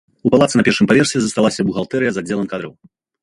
У палацы на першым паверсе засталася бухгалтэрыя з аддзелам кадраў.